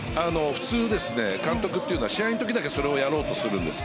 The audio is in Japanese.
普通、監督というのは試合の時だけそれをやろうとするんです。